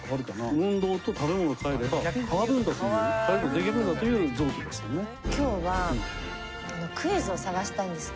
運動と食べ物を変えれば変わるんだという変える事ができるんだという臓器ですよね。